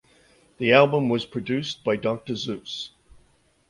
The album was produced by Dr Zeus.